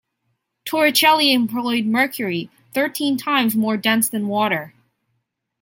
Torricelli employed mercury, thirteen times more dense than water.